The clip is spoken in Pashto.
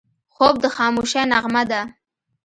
خوب د خاموشۍ نغمه ده